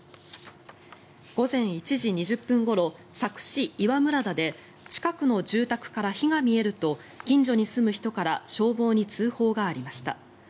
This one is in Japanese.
午前１時２０分ごろ佐久市岩村田で近くの住宅から火が見えると近所に住む人から消防に通報がありました。